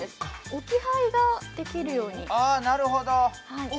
置き配ができるように。